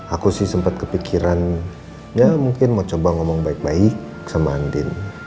aku sih sempat kepikiran ya mungkin mau coba ngomong baik baik sama andin